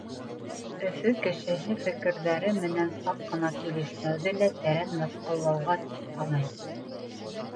Өфө кешеһе фекерҙәре менән саҡ ҡына килешмәүҙе лә тәрән мыҫҡыллауға тип һанай.